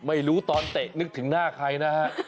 ไม่รู้ตอนเตะนึกถึงหน้าใครนะฮะ